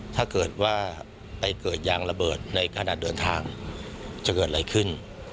ถ้าเกิดว่าไปเกิดยางระเบิดในขณะเดินทางจะเกิดอะไรขึ้น